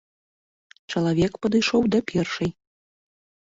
Чалавек падышоў да першай.